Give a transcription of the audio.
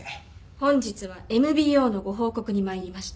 本日はＭＢＯのご報告に参りました。